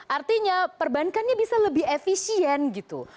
artinya perbankannya bisa lebih efisien gitu